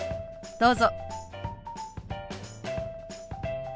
どうぞ。